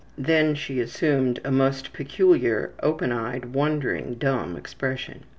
Then she assumed a most peculiar, open eyed, wondering, dumb expression.